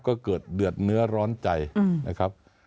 ก็เกิดเดือดเนื้อร้อนใจนะครับ